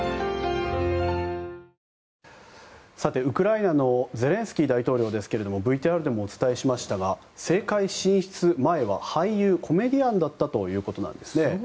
ウクライナのゼレンスキー大統領ですがＶＴＲでもお伝えしましたが政界進出前は俳優、コメディアンだったということなんですね。